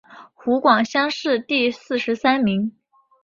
湖广乡试第四十三名。